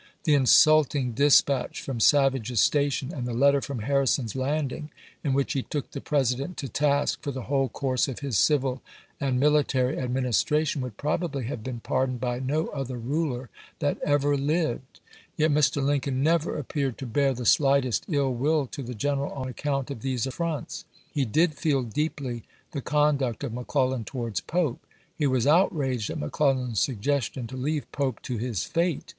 The in sulting dispatch from Savage's Station and the letter from Harrison's Landing, in which he took the President to task for the whole course of his civil and military administration, would probably have been pardoned by no other ruler that ever lived ; yet Mr. Lincoln never appeared to bear the slightest ill will to the general on account of these affronts. He did feel deeply the conduct of McClellan towards Pope. He was outraged at Mc Clellan's suggestion to leave Pope to his fate.